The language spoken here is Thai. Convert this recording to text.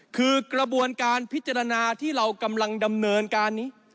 คือกระบวนการพิจารณาที่เรากำลังดำเนินการนี้